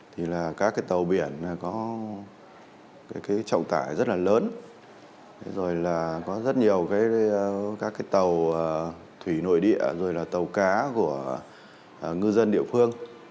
thì là các cái tàu biển có cái trọng tải rất là lớn rồi là có rất nhiều các cái tàu thủy nội địa rồi là tàu cá của ngư dân địa phương